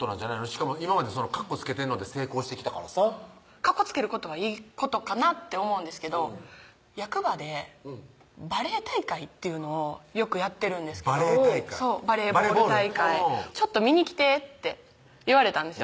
しかも今までカッコつけてるので成功してきたからさカッコつけることはいいことかなって思うんですけど役場でバレー大会っていうのをよくやってるんですけどバレー大会そうバレーボール大会「ちょっと見に来て」って言われたんですよ